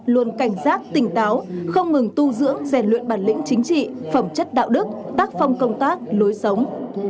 luôn cảnh giác tỉnh táo không ngừng tu dưỡng rèn luyện bản lĩnh chính trị phẩm chất đạo đức tác phong công tác lối sống